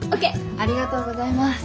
ありがとうございます。